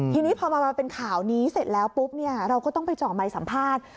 ทีนี้พอมาเป็นข่าวนี้เสร็จแล้วปุ๊บเนี่ยเราก็ต้องไปเจาะใหม่สัมภาษณ์